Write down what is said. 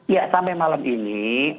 ya sampai malam ini